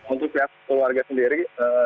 untuk pihak keluarga sendiri